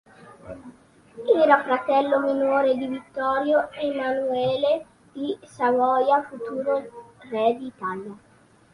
Era fratello minore di Vittorio Emanuele di Savoia, futuro re d'Italia.